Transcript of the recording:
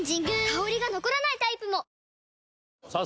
香りが残らないタイプも！